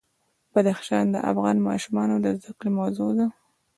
بدخشان د افغان ماشومانو د زده کړې موضوع ده.